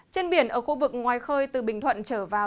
trên biển ở khu vực ngoài khơi từ bình thuận trở vào